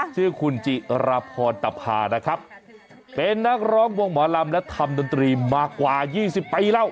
ชื่อคุณจิรพรตภานะครับเป็นนักร้องวงหมอลำและทำดนตรีมากว่า๒๐ปีแล้ว